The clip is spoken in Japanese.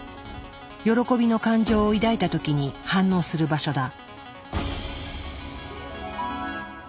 喜びの感情を抱いた時に反応する場所だ。